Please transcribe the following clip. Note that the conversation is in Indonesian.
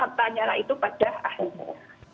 hartanya lah itu pada ahlimu